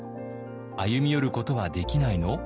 「歩み寄ることはできないの？」